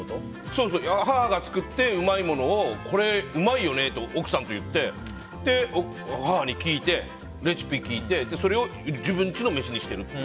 母が作ってうまいものをこれ、うまいよねって奥さんと言ってで、母にレシピを聞いてそれを自分ちの飯にしてる。